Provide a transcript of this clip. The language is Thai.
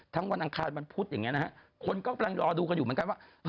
วันอังคารวันพุธอย่างนี้นะฮะคนก็กำลังรอดูกันอยู่เหมือนกันว่า